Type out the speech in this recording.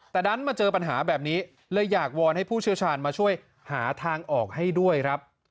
แต่ดันมาเจอปัญหาแบบนี้เลยอยากวอนให้ผู้เชี่ยวชาญมาช่วยหาทางออกให้ด้วยครับ